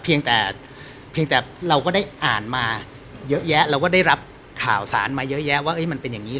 เพียงแต่เราก็ได้อ่านมาเยอะแยะเราก็ได้รับข่าวสารมาเยอะแยะว่ามันเป็นอย่างนี้